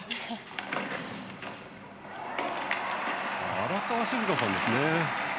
荒川静香さんですね。